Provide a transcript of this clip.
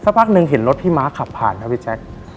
สักพักนึงเห็นรถพี่มาร์คขับผ่านครับ